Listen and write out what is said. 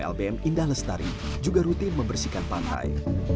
lbm indah lestari juga rutin membersihkan pantai